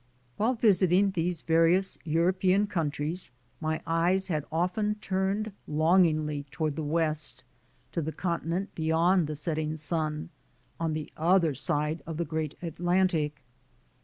While visiting these various European countries, my eyes had often turned longingly toward the west, to the continent beyond the setting sun, on the other side of the great Atlantic.